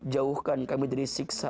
jauhkan kami dari siksa